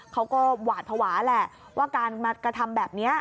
เขาก็หวาดภาวะแหละว่าการมากระทำแบบนี้